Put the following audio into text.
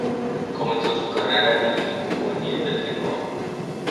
Comenzó su carrera en el equipo juvenil del Genoa.